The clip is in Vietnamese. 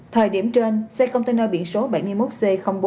thời điểm trên xe container biển số bảy mươi một c bốn nghìn bốn trăm năm mươi một